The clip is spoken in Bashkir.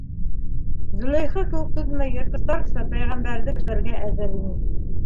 Зөләйха кеүек түҙмәй йыртҡыстарса пәйғәмбәрҙе көсләргә әҙер ине.